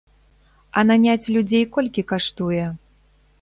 А наняць людзей колькі каштуе?